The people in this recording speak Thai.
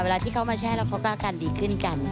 เวลาที่เขามาแช่แล้วเขาก็อาการดีขึ้นกัน